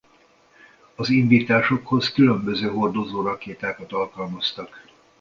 Az indításokhoz különböző hordozórakétákat alkalmaztak.